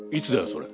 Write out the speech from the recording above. それ。